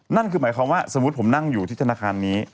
นั่นคือหมายความว่าสมมุติผมนั่งอยู่ที่ธนาคารนี้